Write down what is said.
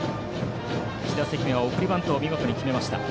１打席目は送りバントを見事に決めました。